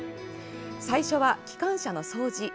最初は、機関車の掃除。